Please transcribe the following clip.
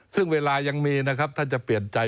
ซึ่งเวลายังมีนะครับถ้าจะเปลี่ยนใจ